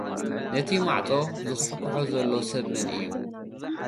ነቲ ማዕጾ ዝዂሕዂሖ ዘሎ ሰብ መን እዩ?